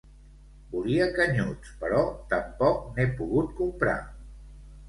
Volia canyuts però tampoc n'he pogut comprar